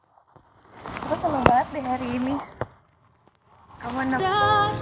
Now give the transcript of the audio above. aku seru banget deh hari ini